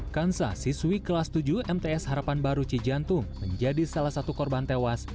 kansa siswi kelas tujuh mts harapan baru cijantung menjadi salah satu korban tewas